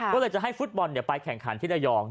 ก็เลยจะให้ฟุตบอลไปแข่งขันที่ระยอง